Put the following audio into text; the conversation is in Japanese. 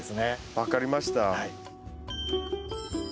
分かりました。